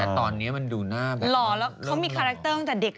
แต่ตอนนี้มันดูหน้าแบบลงหล่อหล่อแล้วเขามีคาแรคเตอร์จากเด็กอ่ะ